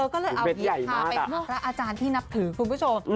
ก็เลยเอาหยิบพาไปพระอาจารย์ที่นับถือคุณผู้ชม